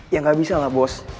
ya nggak bisa lah bos